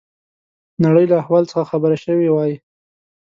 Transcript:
نړۍ له احوال څخه خبر شوي وای.